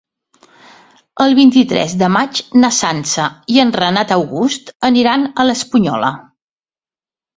El vint-i-tres de maig na Sança i en Renat August aniran a l'Espunyola.